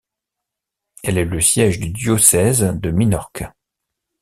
Elle est le siège du diocèse de Minorque.